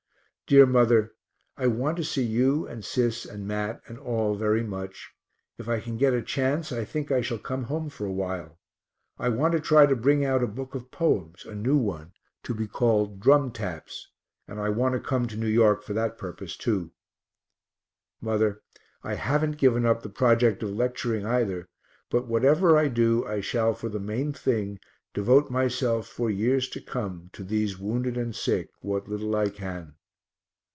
Dear Mother, I want to see you and Sis and Mat and all very much. If I can get a chance I think I shall come home for a while. I want to try to bring out a book of poems, a new one, to be called "Drum Taps," and I want to come to New York for that purpose, too. Mother, I haven't given up the project of lecturing, either, but whatever I do, I shall for the main thing devote myself for years to come to these wounded and sick, what little I can.